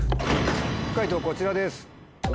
解答こちらです。